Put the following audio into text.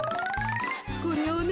これをね